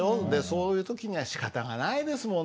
そういう時にはしかたがないですもんね。